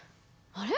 あれ？